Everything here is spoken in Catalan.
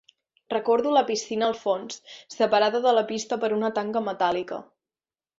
Recordo la piscina al fons, separada de la pista per una tanca metàl·lica.